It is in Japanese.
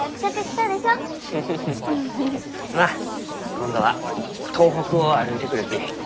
今度は東北を歩いてくるき。